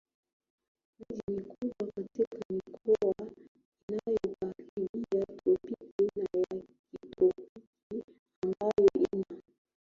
Miji mikubwa katika mikoa inayokaribia tropiki na ya kitropiki ambayo ina